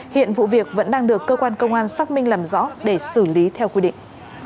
hiện vụ việc vẫn đang được cơ quan công an xác minh làm rõ để xử lý theo quy định